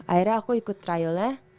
akhirnya aku ikut trialnya